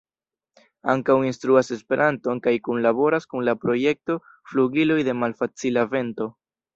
Ankaŭ instruas Esperanton kaj kunlaboras kun la projekto Flugiloj de Malfacila Vento.